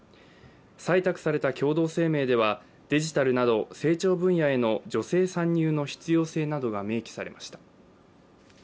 採択された共同声明ではデジタルなど成長分野への女性参入の必要性などが明記されました。